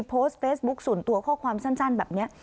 โพสต์เฟซบุ๊คส่วนตัวข้อความสั้นแบบนี้